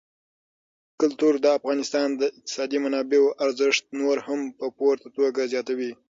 کلتور د افغانستان د اقتصادي منابعو ارزښت نور هم په پوره توګه زیاتوي.